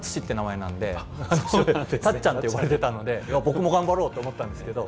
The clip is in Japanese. たっちゃんって呼ばれてたので僕も頑張ろうと思ったんですけど